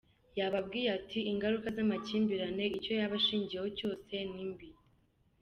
Yababwiye ati :"Ingaruka z’amakimbirane, icyo yaba ashingiyeho cyose, ni mbi.